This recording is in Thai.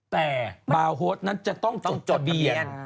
แต่บาวโฮสนั้นจะต้องจดจัดเบียน